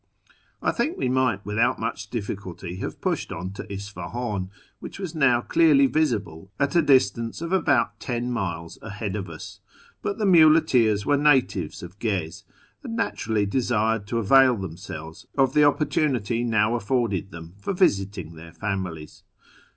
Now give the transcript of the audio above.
I think we might without much difficulty have pushed on to Isfahan, which was now clearly visible at a distance of about ten miles ahead of us, but the muleteers were natives of Gez, and naturally desired to avail themselves of the opportunity now afforded them for visiting their families.